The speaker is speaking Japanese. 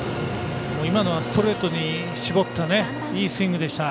今のはストレートに絞ったいいスイングでした。